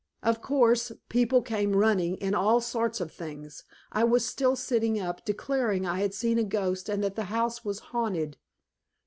Of course, people came running in all sorts of things. I was still sitting up, declaring I had seen a ghost and that the house was haunted.